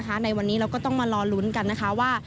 เพราะว่าในวันนี้เราก็ต้องมาร้อนลุ้นกันนะคะว่า